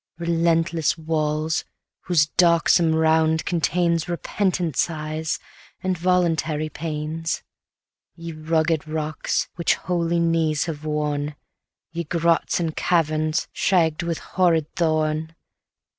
Relentless walls! whose darksome round contains Repentant sighs, and voluntary pains: Ye rugged rocks! which holy knees have worn; Ye grots and caverns, shagg'd with horrid thorn!